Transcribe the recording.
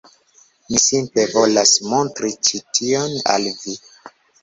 Mi simple volas montri ĉi tion al vi.